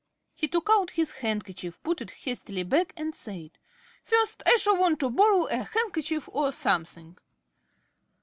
He took out his handkerchief, put it hastily back, and said: "First I shall want to borrow a handkerchief or something."